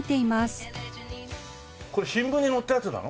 これ新聞に載ったやつなの？